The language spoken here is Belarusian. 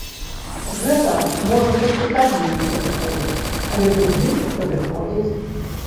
Гэта, можа, толькі табе не падыходзіць, але другім падыходзіць!